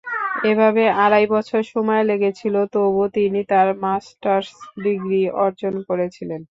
এভাবে আড়াই বছর সময় লেগেছিল, তবু তিনি তাঁর মাস্টার্স ডিগ্রি অর্জন করেছিলেন।